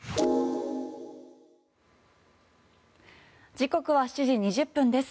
時刻は７時２０分です。